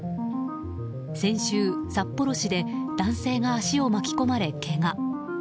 先週、札幌市で男性が足を巻き込まれ、けが。